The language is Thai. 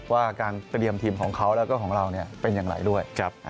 ว่าการเตรียมทีมของเขาแล้วก็ของเราเป็นอย่างไรด้วย